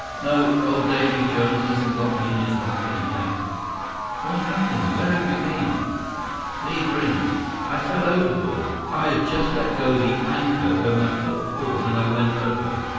"Nope, old Davy Jones hasn't got me in his locker yet." "What happened? Where've you been?" Li grinned. "I fell overboard. I'd just let go the anchor when my foot got caught and I went over.